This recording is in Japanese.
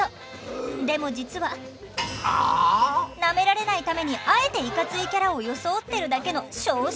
でも実はなめられないためにあえていかついキャラを装ってるだけの小心者。